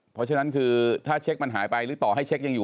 เพราะฉะนั้นคือถ้าเช็คมันหายไปหรือต่อให้เช็คยังอยู่